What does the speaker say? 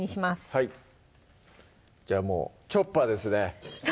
はいじゃあもう「チョッパー」ですね